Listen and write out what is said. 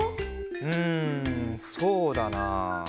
んそうだな。